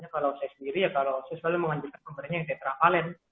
kalau saya sendiri ya kalau saya selalu mengajukan pembedaannya yang tetrafalin